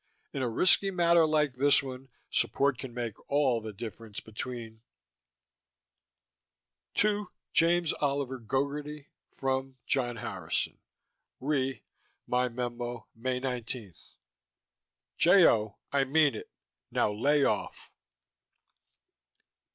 In a risky matter like this one, support can make all the difference between.... TO: James Oliver Gogarty FROM: John Harrison RE: My memo May 19 J. O., I mean it. Now lay off.